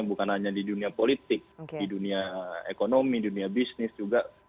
bukan hanya di dunia politik di dunia ekonomi dunia bisnis juga